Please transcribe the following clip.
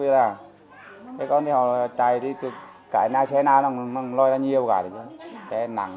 thế còn thì họ chạy đi từ cái nào xe nào nó loay ra nhiều cả